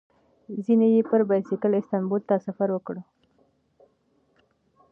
ځینې یې پر بایسکل استانبول ته سفر وکړ.